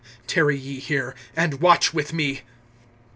Tarry ye here, and watch with me.